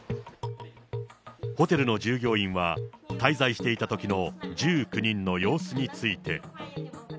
ホテルの従業員は、滞在していたときの１９人の様子について。